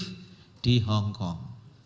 pasien positif di hongkong